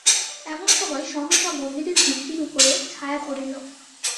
এমন সময় সহসা মন্দিরের ভিত্তির উপরে ছায়া পড়িল।